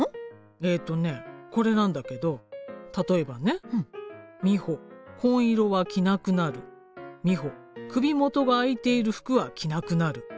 えっとねこれなんだけど例えばね「ミホ紺色は着なくなる」「ミホ首もとが開いている服は着なくなる」